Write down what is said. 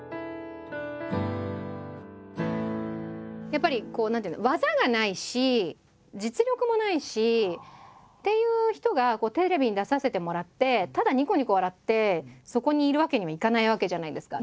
やっぱりこう何ていうの技がないし実力もないしっていう人がテレビに出させてもらってただにこにこ笑ってそこにいるわけにはいかないわけじゃないですか。